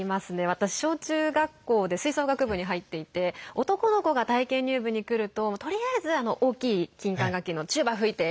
私、小中学校で吹奏楽部に入っていて男の子が体験入部に来るととりあえず大きい金管楽器のチューバ吹いて！